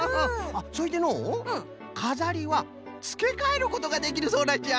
それでのうかざりはつけかえることができるそうなんじゃ。